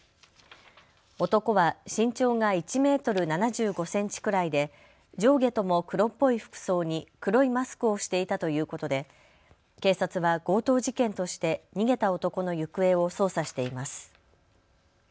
男は身長が１メートル７５センチくらいで上下とも黒っぽい服装に黒いマスクをしていたということで警察は強盗事件として逃げた男の行方を捜査しています。